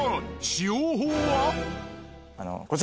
使用法は？